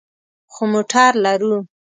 خو موټر لرو